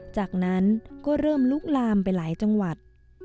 จากนั้นก็เริ่มลุกลามไปหลายจังหวัด